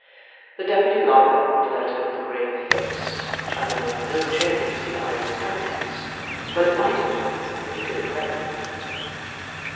The Deputy Lock opened the letter with a grave face, which underwent no change as he eyed its contents. But it might have done, if he could have read them.